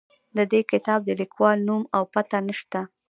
د دې کتاب د لیکوال نوم او پته نه شته.